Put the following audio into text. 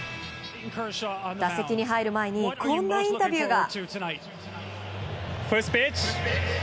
打席に入る前にこんなインタビューが。